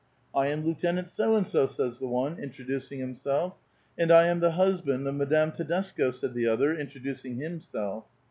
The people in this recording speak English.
"I am Lieutenant So and so," says the one, introducing himself; '* And I am the husband of Madame Tedesco," said the other, introducing himself.